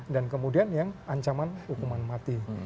dan kemudian yang ancaman hukuman mati